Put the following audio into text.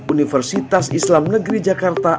universitas islam negeri jakarta